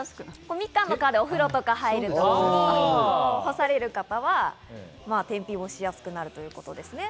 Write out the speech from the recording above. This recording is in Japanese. みかんの皮でお風呂とか入るとね、干される方は天日干しがしやすくなるということです。